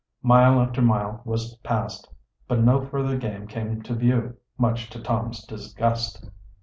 Mile after mile was passed, but no further game came to view, much to Tom's disgust.